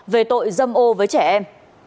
về tội dâm ô với trẻ em